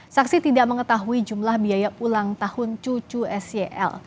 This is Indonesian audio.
saksi tidak mengetahui jumlah biaya ulang tahun cucu s y l